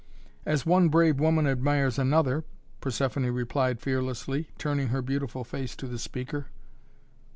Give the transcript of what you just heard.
"As one brave woman admires another!" Persephoné replied fearlessly, turning her beautiful face to the speaker.